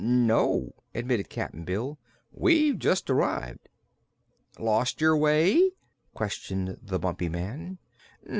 "No," admitted Cap'n Bill. "We've just arrived." "Lost your way?" questioned the Bumpy Man.